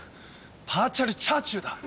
パーチャルチャーチューだ！